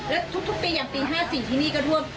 แล้วทุกปีอย่างปี๕๔ที่นี่ก็ท่วม